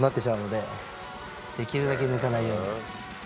できるだけ抜かないように。